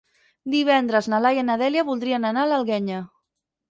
Divendres na Laia i na Dèlia voldrien anar a l'Alguenya.